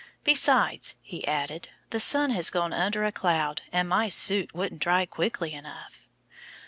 "Besides," he added, "the sun has gone under a cloud and my suit wouldn't dry quickly enough."